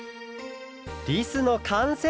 りすのかんせい！